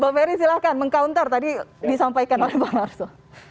bapak ferry silahkan meng counter tadi disampaikan oleh pak marsho